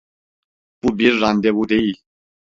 Bu bir randevu değil.